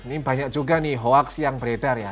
ini banyak juga nih hoaks yang beredar ya